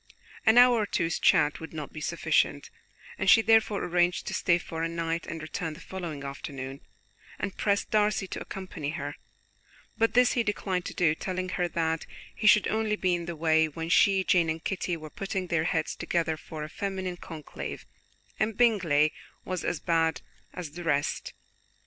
An hour or two's chat would not be sufficient, and she therefore arranged to stay for a night and return the following afternoon, and pressed Darcy to accompany her; but this he declined to do, telling her that he should only be in the way when she, Jane and Kitty were putting their heads together for a feminine conclave, and Bingley was as bad as the rest.